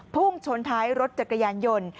พุ่งชนท้ายรถจักรยานยนต์